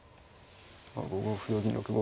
５五歩同銀６五